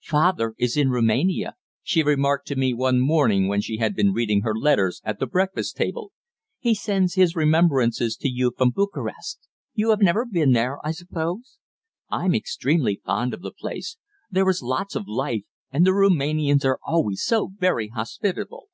"Father is in Roumania," she remarked to me one morning when she had been reading her letters at the breakfast table. "He sends his remembrances to you from Bucharest. You have never been there, I suppose? I'm extremely fond of the place. There is lots of life, and the Roumanians are always so very hospitable."